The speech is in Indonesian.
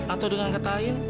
atau dengan kata lain